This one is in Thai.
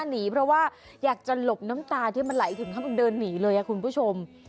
หนีเพราะว่าอยากจะหลบน้ำตาที่มันไหลถึงขั้นเดินหนีเลยคุณผู้ชม